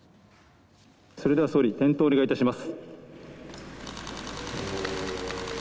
それでは総理点灯をお願いいたします。